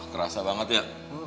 kerasa banget ya